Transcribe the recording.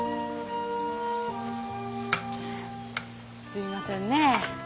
すいませんねえ。